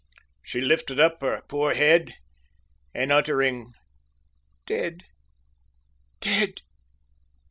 She lifted up her poor head, and uttering "Dead! dead!"